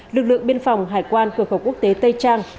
lực lượng biên phòng hải quan cửa khẩu quốc tế tây trang